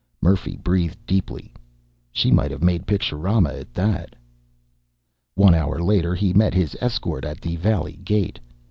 Murphy breathed deeply. She might have made picturama at that.... One hour later he met his escort at the valley gate.